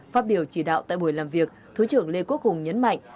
phát biểu chỉ đạo tại buổi làm việc thứ trưởng lê quốc hùng nhấn mạnh